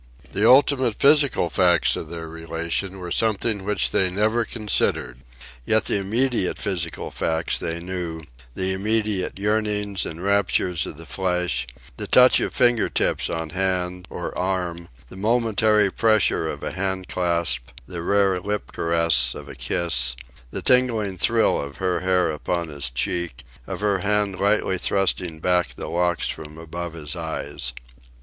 The ultimate physical facts of their relation were something which they never considered. Yet the immediate physical facts they knew, the immediate yearnings and raptures of the flesh the touch of finger tips on hand or arm, the momentary pressure of a hand clasp, the rare lip caress of a kiss, the tingling thrill of her hair upon his cheek, of her hand lightly thrusting back the locks from above his eyes.